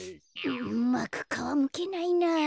うまくかわむけないな。